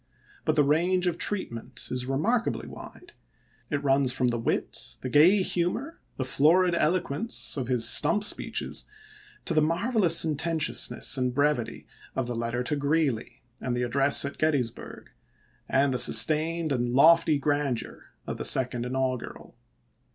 But the range of treatment is remarkably wide ; it runs from the wit, the gay humor, the florid eloquence of his stump speeches to the marvelous sententiousness and brevity of the letter to Greeley and the address at Gettysburg, and the sustained and lofty grandeur of the Second Inaugural.